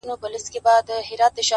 ځاى جوړاوه ـ